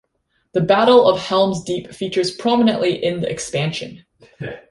The Battle of Helm's Deep features prominently in the expansion.